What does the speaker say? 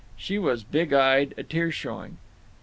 She was big eyed, a tear showing.